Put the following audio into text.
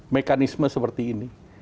mekanisme seperti ini